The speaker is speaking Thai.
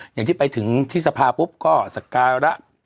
อย่างที่ไปถึงที่สภาปุ๊บก็สักการะ